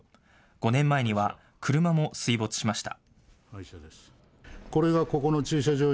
５年前には車も水没しました。